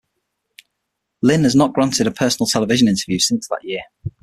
Linn has not granted a personal television interview since that year.